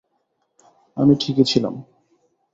আমি ঠিকই ছিলাম।